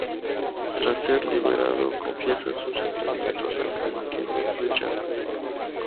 Tras ser liberado, confiesa sus sentimientos a Kano, quien le rechaza.